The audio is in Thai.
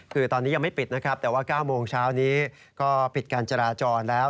คือตอนนี้ยังไม่ปิดนะครับแต่ว่า๙โมงเช้านี้ก็ปิดการจราจรแล้ว